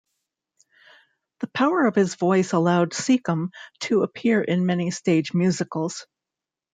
The power of his voice allowed Secombe to appear in many stage musicals.